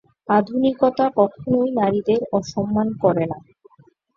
আধুনিকতা কখনই নারীদের অসম্মান করে না।